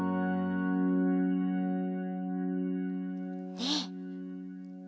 ねえ。